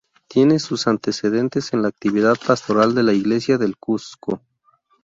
Tienes sus antecedentes en la actividad pastoral de la Iglesia del Cuzco.